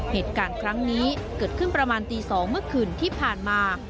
เหตุการณ์ครั้งนี้เกิดขึ้นประมาณตี๒เมื่อคืนที่ผ่านมา